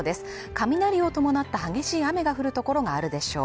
雷を伴った激しい雨が降る所があるでしょう